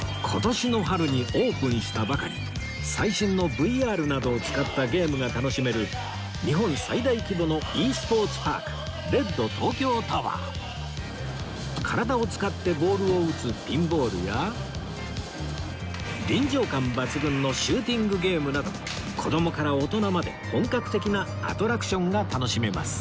最新の ＶＲ などを使ったゲームが楽しめる日本最大規模の ｅ スポーツパーク体を使ってボールを打つピンボールや臨場感抜群のシューティングゲームなど子どもから大人まで本格的なアトラクションが楽しめます